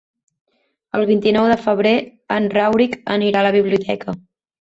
El vint-i-nou de febrer en Rauric anirà a la biblioteca.